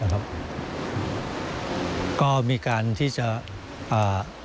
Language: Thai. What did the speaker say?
ก็มีการที่จะอ่า